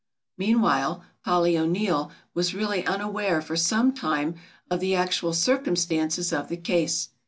Meanwhile Polly O'Neill was really unaware for some time of the actual circumstances of the case.